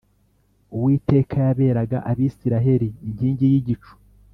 Uwiteka yaberaga abisiraheli inkingi y’igicu